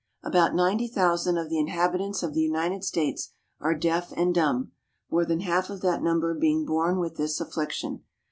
= About 90,000 of the inhabitants of the United States are deaf and dumb, more than half of that number being born with this affliction.